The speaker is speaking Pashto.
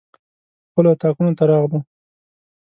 خپلو اطاقونو ته راغلو.